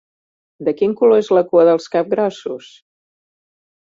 De quin color és la cua dels capgrossos?